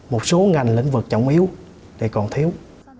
một số ngành lĩnh vực trọng yếu thì còn thiếu